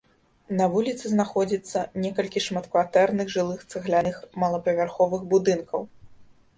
На вуліцы знаходзіцца некалькі шматкватэрных жылых цагляных малапавярховых будынкаў.